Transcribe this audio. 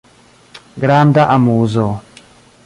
Granda amuzo.